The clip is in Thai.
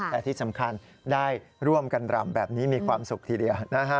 แต่ที่สำคัญได้ร่วมกันรำแบบนี้มีความสุขทีเดียวนะฮะ